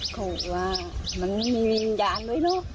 ก็ว่ามันมีวิญญาณด้วยโน๊ก